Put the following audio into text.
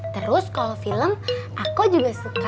terus kalau film aku juga suka nonton film korea